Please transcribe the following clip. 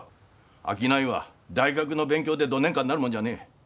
商いは大学の勉強でどねんかなるもんじゃねえ。